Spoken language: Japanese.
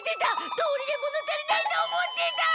どうりで物足りないと思ってた！